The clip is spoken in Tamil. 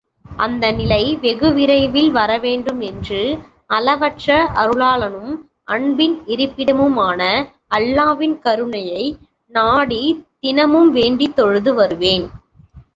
அந்த நிலை வெகுவிரைவில் வரவேண்டுமென்று அளவற்ற அருளாளனும் அன்பின் இருப்பிடமுமான அல்லாவின் கருணையை நாடித்தினமும் வேண்டித்தொழுது வருவேன்.